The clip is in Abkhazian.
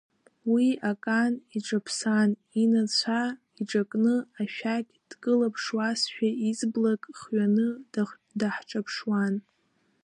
Уи акан иҿаԥсан, инацәа иҿакны, ашәақь дкылԥшуазшәа, изблак хҩаны даҳҿаԥшуан.